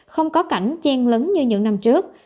không có cảnh chen lấn như những năm trước